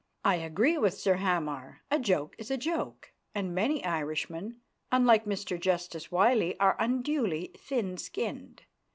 I agree with Sir Hamar. A joke is a joke, and many Irishmen, unlike Mr Justice Wylie, are unduly thin skinned.